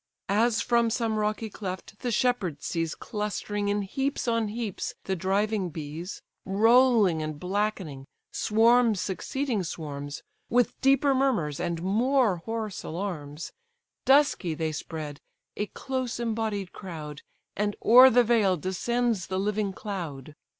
As from some rocky cleft the shepherd sees Clustering in heaps on heaps the driving bees, Rolling and blackening, swarms succeeding swarms, With deeper murmurs and more hoarse alarms; Dusky they spread, a close embodied crowd, And o'er the vale descends the living cloud.